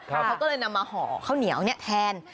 เขาก็เลยนำมาห่อข้าวเหนียวแทน